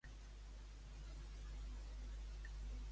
Amb què més se l'associa?